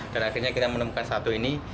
dan akhirnya kita menemukan satu ini